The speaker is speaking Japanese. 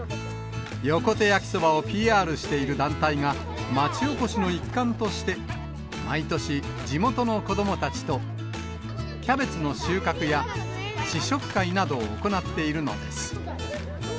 横手やきそばをＰＲしている団体が、町おこしの一環として、毎年、地元の子どもたちと、キャベツの収穫や試食会などを行っているのです。